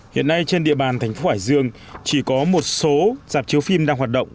hiện nay trên địa bàn thành phố hải dương chỉ có một số dạp chiếu phim đang hoạt động